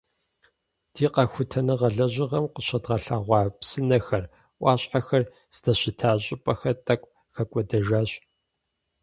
Ди къэхутэныгъэ лэжьыгъэм къыщыдгъэлъэгъуа псынэхэр, ӏуащхьэхэр здэщыта щӏыпӏэхэр тӏэкӏу хэкӏуэдэжащ.